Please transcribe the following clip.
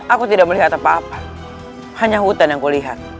aku tidak melihat apa apa hanya hutan yang kulihat